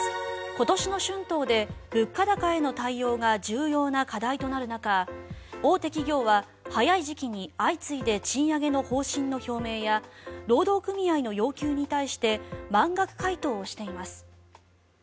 今年の春闘で物価高への対応が重要な課題となる中大手企業は早い時期に相次いで賃上げの方針の表明や労働組合の要求に対して満額回答をしています。